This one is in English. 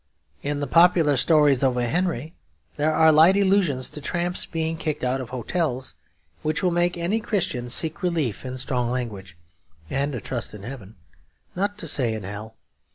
In the popular stories of O. Henry there are light allusions to tramps being kicked out of hotels which will make any Christian seek relief in strong language and a trust in heaven not to say in hell.